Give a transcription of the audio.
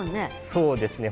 そうですね。